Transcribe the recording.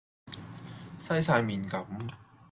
西哂面咁